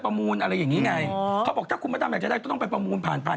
เขาสื้อสมมุติลดราคาสารตอนนี้ต้องซื้อ๒ล้าน